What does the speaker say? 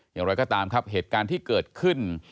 อย่างไรก็ตามครับเหตุการณ์ที่เกิดขึ้น